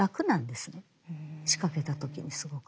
仕掛けた時にすごく。